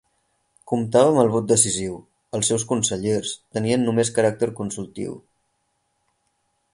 Comptava amb el vot decisiu, els seus consellers tenien només caràcter consultiu.